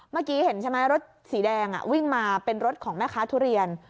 เมื่อกี้เห็นใช่ไหมรถสีแดงวิ่งมาเป็นรถของแม่ค้าทุเรียน